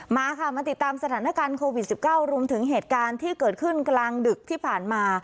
มาค่ะมาติดตามสถานการณ์โควิด๑๙รวมถึงเหตุการณ์ที่เกิดขึ้นกลางดึกที่ผ่านมา